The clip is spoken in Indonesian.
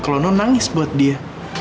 kalau nono nangis buat dia